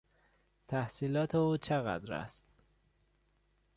تحصیلات او چقدر است؟